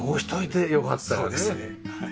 そうですねはい。